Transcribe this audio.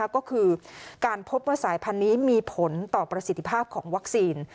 ก็คือการพบว่าสายพันธุ์นี้มีผลต่อประสิทธิภาพของวัคซีน